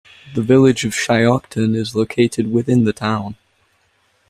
The village of Shiocton is located within the town.